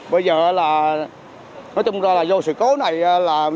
bây giờ là nói chung là do sự cố này là nó miễn dĩ cái này bây giờ mình bán cái giá